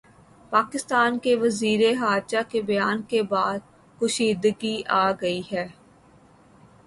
پاکستان کے وزیر خارجہ کے بیان کے بعد کشیدگی آگئی ہے